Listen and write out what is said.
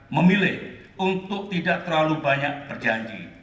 memilih untuk tidak terlalu banyak berjanji